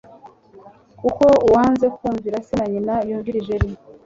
kuko uwanze kumvira se na nyina yumvira ijeri